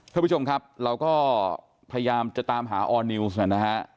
ท่านผู้ชมครับเราก็พยายามจะตามหาออร์นิวส์นะฮะ